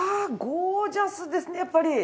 ゴージャスですねやっぱり。